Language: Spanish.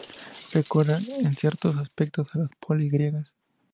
Recuerda en ciertos aspectos a las polis griegas.